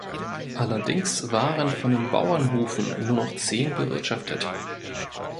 Allerdings waren von den Bauernhufen nur noch zehn bewirtschaftet.